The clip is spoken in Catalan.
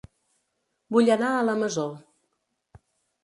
Vull anar a La Masó